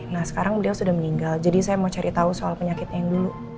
nah sekarang beliau sudah meninggal jadi saya mau cari tahu soal penyakit yang dulu